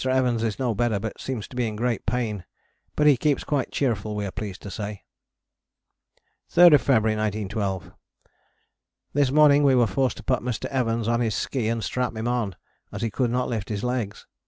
Evans is no better but seems to be in great pain, but he keeps quite cheerful we are pleased to say. 3rd February 1912. This morning we were forced to put Mr. Evans on his ski and strap him on, as he could not lift his legs.